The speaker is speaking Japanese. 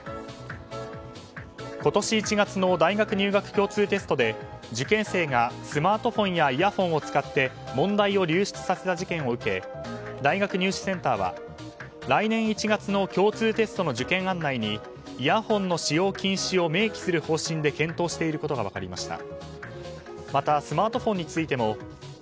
今年１月の大学入学共通テストで受験生がスマートフォンやイヤホンを使って問題を流出させた事件を受け大学入試センターは、来年１月の共通テストの受験案内にイヤホンの使用禁止を明記する方針で検討していることが分かりました。